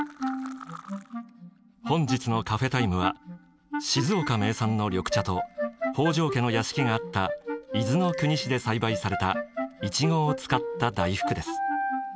本日のカフェタイムは静岡名産の緑茶と北条家の屋敷があった伊豆の国市で栽培されたイチゴを使った大福です。